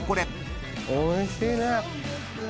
おいしいね。